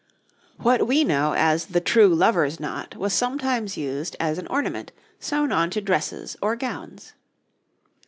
] What we know as 'the true lovers' knot' was sometimes used as an ornament sewn on to dresses or gowns.